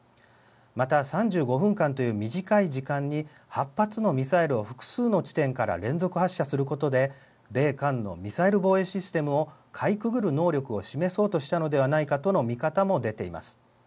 また３５分間という短い時間に８発のミサイルを複数の地点から連続発射することで米韓のミサイル防衛システムをかいくぐる能力を示そうとしたのではないかとの見方も出ています。